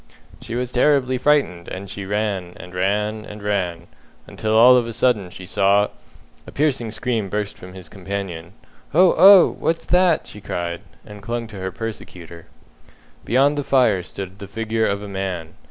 "She was terribly frightened, and she ran, and ran, and ran, until all of a sudden she saw " A piercing scream burst from his companion. "Oh! oh! What's that?" she cried, and clung to her persecutor. Beyond the fire stood the figure of a man.